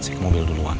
sih ke mobil duluan